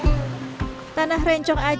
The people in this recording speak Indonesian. dan juga menjaga keuntungan di dalamnya